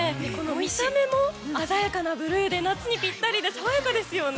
見た目も鮮やかなブルーで夏にぴったりで爽やかですよね。